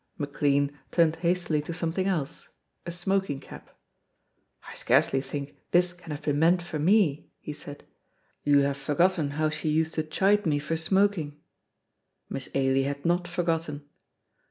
McLean turned hastily to something else, a smoking cap. "I scarcely think this can have been meant for me," he said; "you have forgotten how she used to chide me for smoking." Miss Ailie had not forgotten.